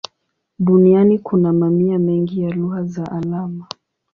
Duniani kuna mamia mengi ya lugha za alama.